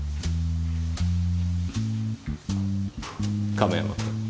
亀山君。